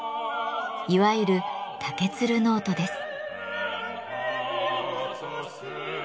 いわゆる「竹鶴ノート」です。